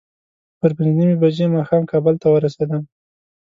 پر پینځه نیمې بجې ماښام کابل ته ورسېدم.